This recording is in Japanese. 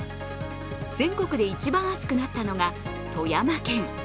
全国で一番暑くなったのが富山県。